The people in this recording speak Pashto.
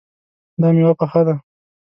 دا میوه پخه ده